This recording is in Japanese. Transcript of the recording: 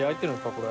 これ。